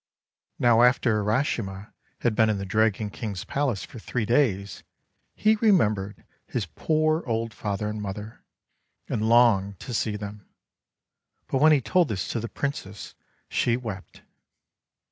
Now after Urashima had been in the Dragon King's palace for three days, he remembered his poor old father and mother, and longed to see them. But when he told this to the Princess she wept.